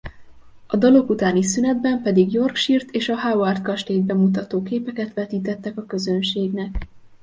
A dalok utáni szünetben pedig Yorkshire-t és a Howard-kastélyt bemutató képeket vetítettek a közönségnek.